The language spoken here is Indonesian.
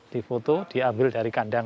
difoto diambil dari kandang satu